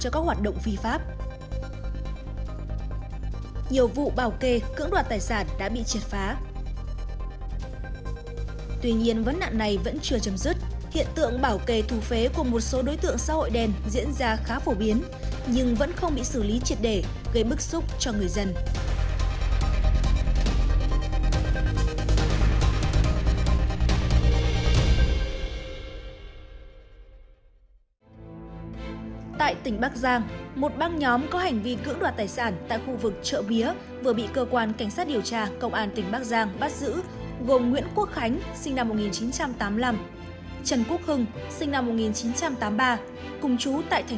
các bạn hãy đăng ký kênh để ủng hộ kênh của chúng mình nhé